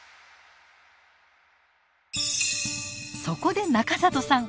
そこで中里さん